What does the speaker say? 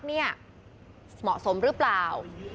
เหมาะสมหรือเปล่า